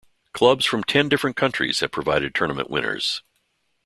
Clubs from ten different countries have provided tournament winners.